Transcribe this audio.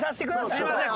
すいません